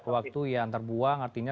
waktu yang terbuang artinya